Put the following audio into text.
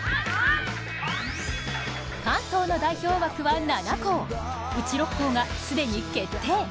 関東の代表枠は７校、うち６校が既に決定。